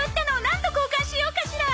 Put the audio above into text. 何と交換しようかしら？